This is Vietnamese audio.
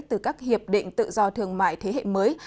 từ các hiệp định tự do thương mại thế hệ mới